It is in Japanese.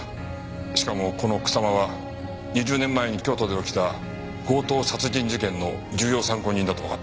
しかもこの草間は２０年前に京都で起きた強盗殺人事件の重要参考人だとわかった。